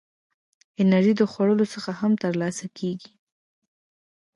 انرژي د خوړو څخه هم ترلاسه کېږي.